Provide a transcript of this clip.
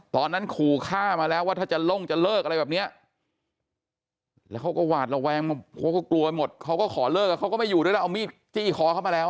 ขู่ฆ่ามาแล้วว่าถ้าจะลงจะเลิกอะไรแบบเนี้ยแล้วเขาก็หวาดระแวงเขาก็กลัวหมดเขาก็ขอเลิกเขาก็ไม่อยู่ด้วยแล้วเอามีดจี้คอเขามาแล้ว